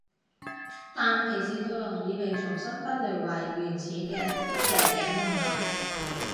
但皮氏吐龙已被重新分类为原始的蛇颈龙类。